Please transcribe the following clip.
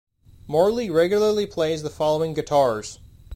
Morley regularly plays the following guitars.